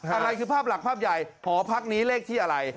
อะไรคือภาพหลักภาพใหญ่หอพักนี้เลขที่อะไร